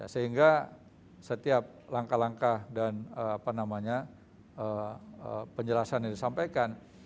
sehingga setiap langkah langkah dan penjelasan yang disampaikan